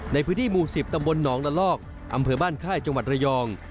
ในพื้นที่หมู่๑๐ตำบลหนองละลอกอำเภอบ้านค่ายจังหวัดระยอง